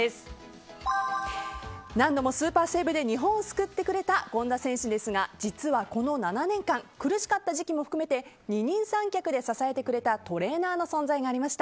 何度もスーパーセーブで日本を救ってくれた権田選手ですが実は、この７年間苦しかった時期も含めて二人三脚で支えてくれたトレーナーの存在がありました。